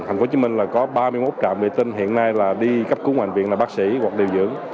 thành phố hồ chí minh là có ba mươi một trạm vệ tinh hiện nay là đi cấp cứu ngoại viện là bác sĩ hoặc điều dưỡng